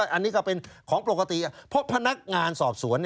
อันนี้ก็เป็นของปกติเพราะพนักงานสอบสวน